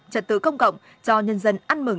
trật tự công cộng cho nhân dân ăn mừng